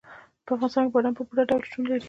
په افغانستان کې بادام په پوره ډول شتون لري.